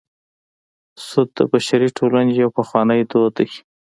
سود د بشري ټولنې یو پخوانی دود دی